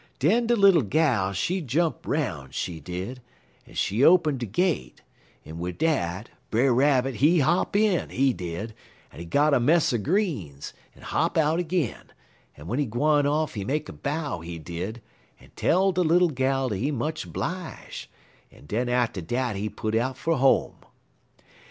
Den de Little Gal, she jump 'roun', she did, en she open de gate, en wid dat, Brer Rabbit, he hop in, he did, en got 'im a mess er greens, en hop out ag'in, en w'en he gwine off he make a bow, he did, en tell de Little Gal dat he much 'blije', en den atter dat he put out fer home.